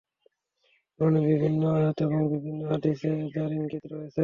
কুরআনের বিভিন্ন আয়াত এবং বিভিন্ন হাদীসে যার ইঙ্গিত রয়েছে।